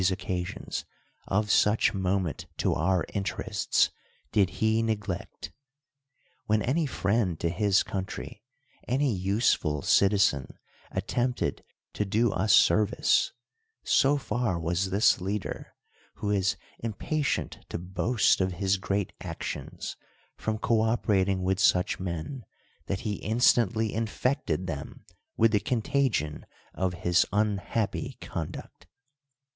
occasions, of such moment to our intei' csls. (lid ho neglect. AVhcn any friend to his coitntry, any useful citizen, attcinptcd to do us service, so far was this leader, who is impatient 237 I _^ THE WORLD'S FAMOUS ORATIONS to boast of his great actions, from cooperating with such men, that he instantly infected them v.ith the contagion of his unhax:>py conduct.